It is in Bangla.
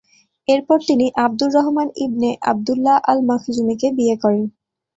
এরপর তিনি আব্দুর রহমান ইবনে আবদুল্লাহ আল-মাখজুমিকে বিয়ে করেন।